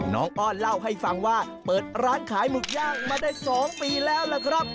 อ้อนเล่าให้ฟังว่าเปิดร้านขายหมึกย่างมาได้๒ปีแล้วล่ะครับ